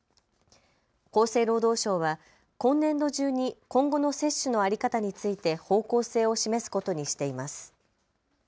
厚生労働省は今年度中に今後の接種の在り方について方向性を示すことにしています。